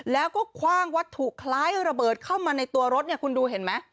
แล้วก็คว่างวัตถุคล้ายระเบิดเข้ามาในตัวรถเนี่ยคุณดูเห็นไหม